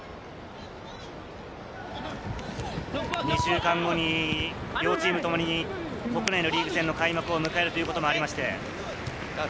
２週間後に両チームともに国内のリーグ戦の開幕を迎えるということもありまして。